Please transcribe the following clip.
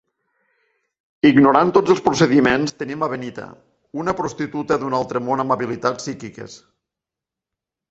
Ignorant tots els procediments tenim a Benita, una prostituta d'una altre món amb habilitats psíquiques.